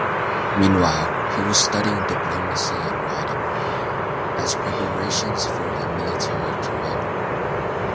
Meanwhile, he was studying diplomacy and riding, as preparations for a military career.